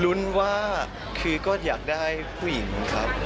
รุนว่าอยากได้ผู้หญิงครับ